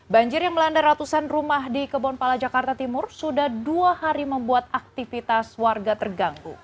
banjir yang melanda ratusan rumah di kebonpala jakarta timur sudah dua hari membuat aktivitas warga terganggu